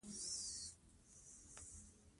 د نجات لاره یې وتړله.